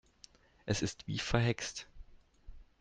Es ist wie verhext.